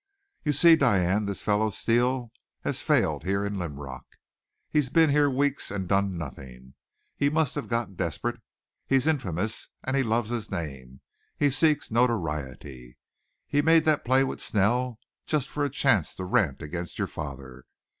"You see, Diane, this fellow Steele has failed here in Linrock. He's been here weeks and done nothing. He must have got desperate. He's infamous and he loves his name. He seeks notoriety. He made that play with Snell just for a chance to rant against your father.